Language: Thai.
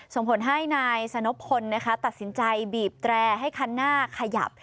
ส่งผลให้นายสนพลตัดสินใจบีบแตรให้คันหน้าขยับ